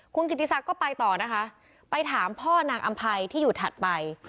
คุณกิติศักดิ์ก็ไปต่อนะคะไปถามพ่อนางอำภัยที่อยู่ถัดไป